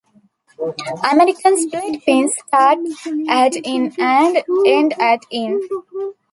American split pins start at in and end at in.